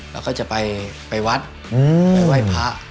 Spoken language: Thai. เราก็จะไปไว้พระเวน